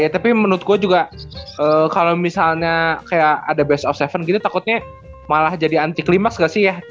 tapi menurut gue juga kalau misalnya kayak ada best of tujuh takutnya malah jadi anti klimaks gak sih ya